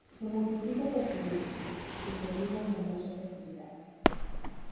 Se multiplica por semillas, que germinan con mucha facilidad.